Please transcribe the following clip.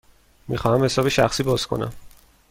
می خواهم حساب شخصی باز کنم.